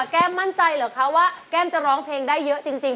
แก้มมั่นใจเหรอคะว่าแก้มจะร้องเพลงได้เยอะจริง